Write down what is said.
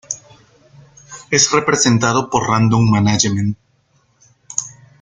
Es representado por Random Management.